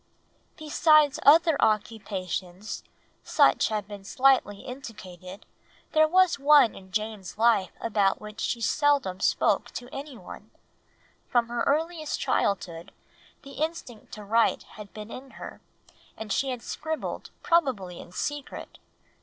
_) Besides other occupations, such as have been slightly indicated, there was one in Jane's life about which she seldom spoke to anyone; from her earliest childhood the instinct to write had been in her, and she had scribbled probably in secret.